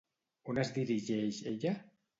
On es dirigeix ella?